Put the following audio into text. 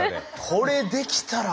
これできたら。